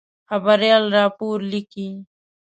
خبریال راپور لیکي.